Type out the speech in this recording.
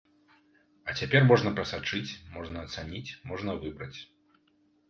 А цяпер можна прасачыць, можна ацаніць, можна выбраць.